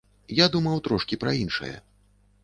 Я думаў трошкі пра іншае.